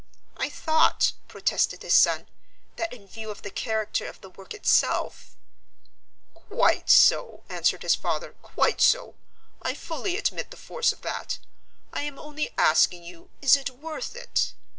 "I thought," protested his son, "that in view of the character of the work itself " "Quite so," answered his father, "quite so. I fully admit the force of that. I am only asking you, is it worth it?